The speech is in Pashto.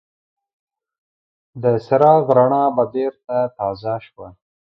د څراغ رڼا به بېرته تازه شوه.